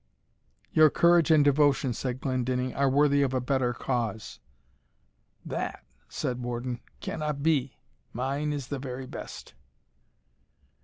"Your courage and devotion," said Glendinning, "are worthy of a better cause." "That," said Warden, "cannot be mine is the very best."